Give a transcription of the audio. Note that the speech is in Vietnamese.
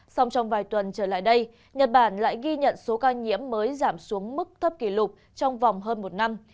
xong trong vài tuần trở lại đây nhật bản lại ghi nhận số ca nhiễm mới giảm xuống mức thấp kỷ lục trong vòng hơn một năm